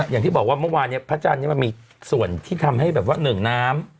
อย่างที่บอกว่าเมื่อวานเนี่ยพระจันทร์นี้มันมีส่วนที่ทำให้แบบว่าหนึ่งน้ำ